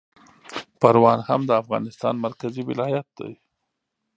پروان هم د افغانستان مرکزي ولایت دی